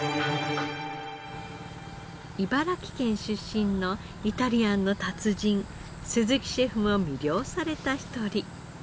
茨城県出身のイタリアンの達人鈴木シェフも魅了された一人。